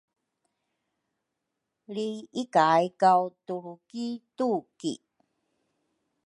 Lri ikay kaw tulru ki tuki